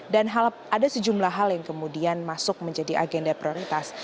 dan ada sejumlah hal yang kemudian masuk menjadi agenda prioritas